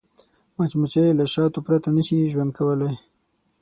مچمچۍ له شاتو پرته نه شي ژوند کولی